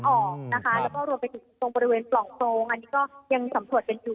แล้วก็รวมไปถึงตรงบริเวณปล่องโพงอันนี้ก็ยังสัมผดเป็นอยู่